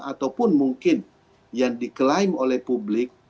ataupun mungkin yang diklaim oleh publik